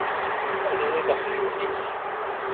Anwa i d aqjun-ik?